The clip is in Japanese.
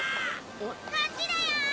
・・こっちだよ！